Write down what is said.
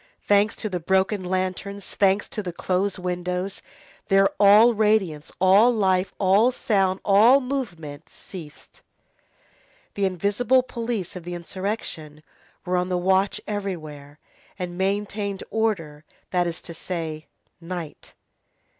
Thanks to the broken lanterns, thanks to the closed windows, there all radiance, all life, all sound, all movement ceased. The invisible police of the insurrection were on the watch everywhere, and maintained order, that is to say, night.